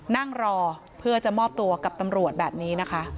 นั่งรอเพื่อจะมอบตัวกับตำรวจแบบนี้นะคะ